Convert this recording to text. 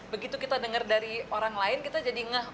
begitu kita dengar dari orang lain kita jadi ngeh